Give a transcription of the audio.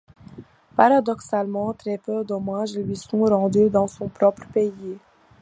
Paradoxalement, très peu d'hommages lui sont rendus dans son propre pays.